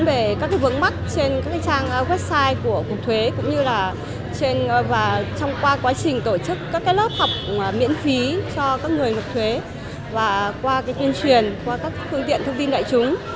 về các vướng mắt trên các trang website của cục thuế cũng như là trong qua quá trình tổ chức các lớp học miễn phí cho các người nộp thuế và qua tuyên truyền qua các phương tiện thông tin đại chúng